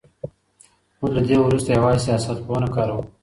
موږ له دې وروسته يوازي سياست پوهنه کاروو.